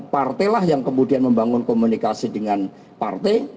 partailah yang kemudian membangun komunikasi dengan partai